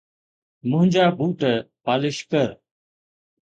منهنجا boot polish ڪر